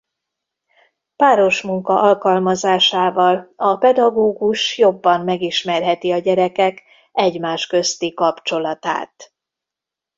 Páros munka alkalmazásával a pedagógus jobban megismerheti a gyerekek egymás közti kapcsolatát.